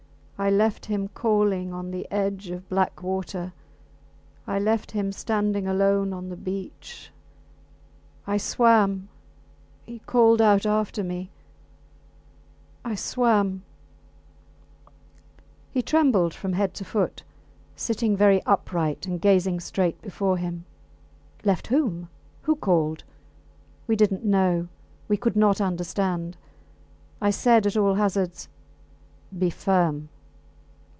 I left him calling on the edge of black water. ... I left him standing alone on the beach. I swam ... he called out after me ... I swam ... He trembled from head to foot, sitting very upright and gazing straight before him. Left whom? Who called? We did not know. We could not understand. I said at all hazards Be firm.